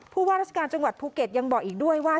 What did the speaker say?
ว่าราชการจังหวัดภูเก็ตยังบอกอีกด้วยว่า